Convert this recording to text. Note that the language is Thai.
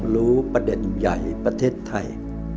รู้ประเด็นใหญ่ประเทศไทย